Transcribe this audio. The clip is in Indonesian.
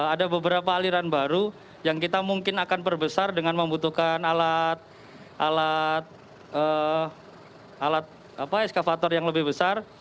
ada beberapa aliran baru yang kita mungkin akan perbesar dengan membutuhkan alat eskavator yang lebih besar